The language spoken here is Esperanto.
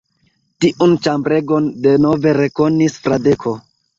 Tiun ĉambregon denove rekonis Fradeko.